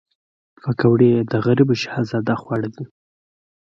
پکورې د غریبو شهزاده خواړه دي